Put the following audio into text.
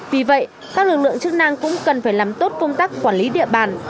vì vậy các lực lượng chức năng cũng cần phải làm tốt công tác quản lý địa bàn